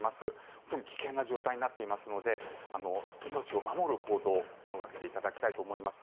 本当に危険な状態になっていますので命を守る行動を心掛けていただきたいと思います。